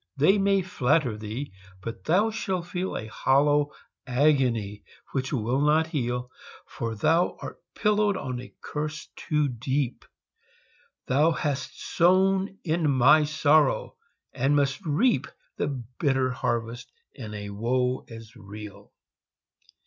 they may flatter thee, but thou shall feel A hollow agony which will not heal, For thou art pillowed on a curse too deep; Thou hast sown in my sorrow, and must reap The bitter harvest in a woe as real!